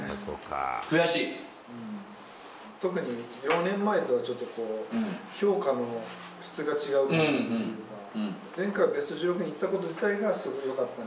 特に、４年前とはちょっと評価の質が違うというか、前回はベスト１６にいったこと自体がすごくよかったね。